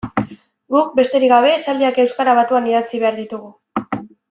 Guk, besterik gabe, esaldiak euskara batuan idatzi behar ditugu.